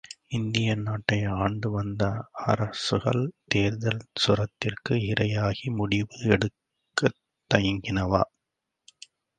இந்திய நாட்டை ஆண்டு வந்த அரசுகள் தேர்தல் சுரத்திற்கு இரையாகி முடிவு எடுக்கத் தயங்கினவா?